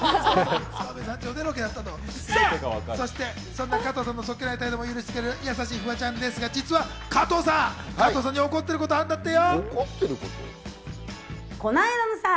そしてそんな加藤さんのそっけない態度も許してくれる優しいフワちゃんですが、実は加藤さんに怒っていることがあるんだってよ。